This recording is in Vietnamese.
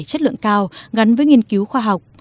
chất lượng cao gắn với nghiên cứu khoa học